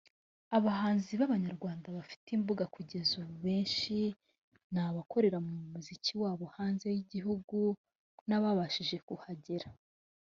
Abahanzi b’Abanyarwanda bafite imbuga kugeza ubu abenshi ni abakorera umuziki wabo hanze y’igihugu n’ababashije kuhagera